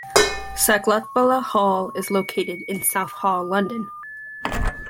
Saklatvala Hall is located in Southall, London.